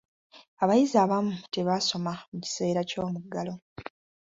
Abayizi abamu tebaasoma mu kiseera ky'omuggalo.